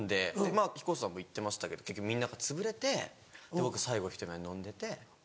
まぁヒコさんも言ってましたけど結局みんながつぶれて僕最後の１人まで飲んでて。